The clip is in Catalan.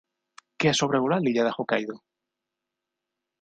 Què ha sobrevolat l'illa de Hokkaido?